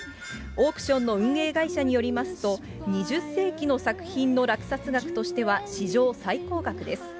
オークションの運営会社によりますと、２０世紀の作品の落札額としては史上最高額です。